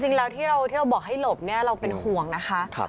จริงแล้วที่เราบอกให้หลบเราเป็นห่วงนะคะ